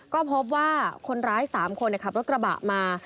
ก็พบว่าคนร้าย๓คนขับรถกระบะมา